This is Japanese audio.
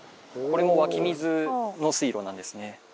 これも湧き水の水路なんですね。